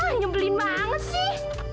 ah nyebelin banget sih